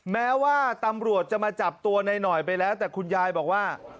แม้ว่าตำรวจจะมาจับตัวในหน่อยไปแล้วแต่คุณยายบอกว่า